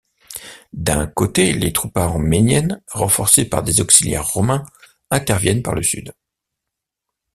D'un côté, les troupes arméniennes, renforcées par des auxiliaires romains, interviennent par le sud.